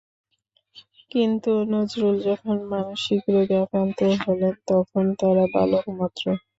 কিন্তু নজরুল যখন মানসিক রোগে আক্রান্ত হলেন, তখন তাঁরা বালক মাত্র।